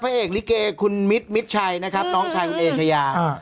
พระเอกลิเกย์คุณไม่ชัยน้องชายหมุนเอชไยา